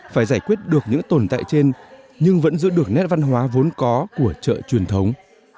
phải giải quyết được những tồn tại trên nhưng vẫn giữ được nét văn hóa vốn có của chợ truyền thống